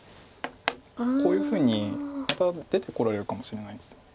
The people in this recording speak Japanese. こういうふうにまた出てこられるかもしれないんです。